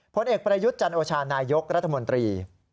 ผลเอกประยุทธ์จันโอชานายกรัฐมนตรี